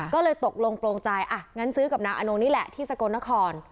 ก็เลยตกลงโปรงใจอ่ะงั้นซื้อกับนางอนงนี่แหละที่สกลนคร